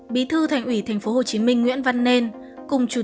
bí thư thành ủy tp hcm nguyễn văn nên cùng chủ tịch